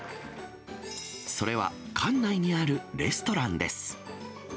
それは館内にあるレストランです。